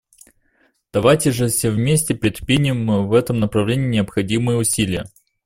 Давайте же все вместе предпримем в этом направлении необходимые усилия.